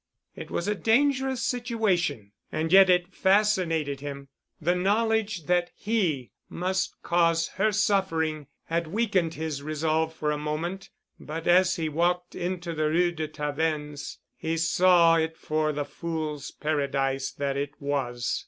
It was a dangerous situation and yet it fascinated him. The knowledge that he must cause her suffering had weakened his resolve for a moment, but as he walked into the Rue de Tavennes he saw it for the fool's paradise that it was.